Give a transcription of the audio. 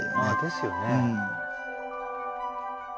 ですよね。